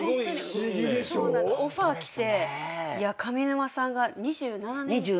オファー来て上沼さんが２７年間。